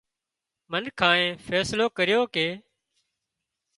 منکانئين فيصلو ڪريو ڪي